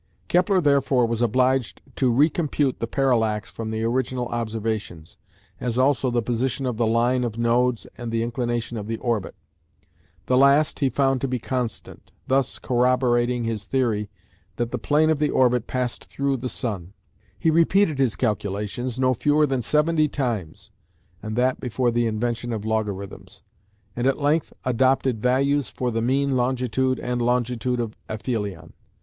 Kepler therefore was obliged to recompute the parallax from the original observations, as also the position of the line of nodes and the inclination of the orbit. The last he found to be constant, thus corroborating his theory that the plane of the orbit passed through the sun. He repeated his calculations no fewer than seventy times (and that before the invention of logarithms), and at length adopted values for the mean longitude and longitude of aphelion.